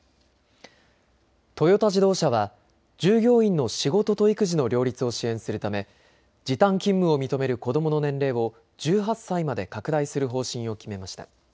トヨタ自動車は従業員の仕事と育児の両立を支援するため時短勤務を認める子どもの年齢を１８歳まで拡大する方針を決めました。